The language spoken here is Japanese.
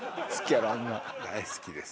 大好きです。